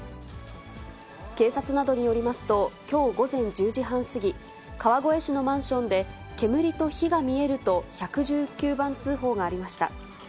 警察などによりますと、きょう午前１０時半過ぎ、川越市のマンションで煙と火が見えると、１１９番通報がありました。